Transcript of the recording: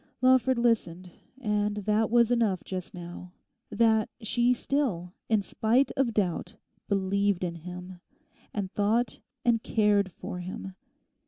Lawford listened; and that was enough just now—that she still, in spite of doubt, believed in him, and thought and cared for him.